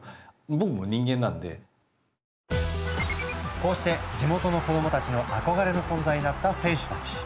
こうして地元の子どもたちの憧れの存在になった選手たち。